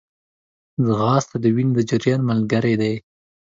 ځغاسته د وینې د جریان ملګری ده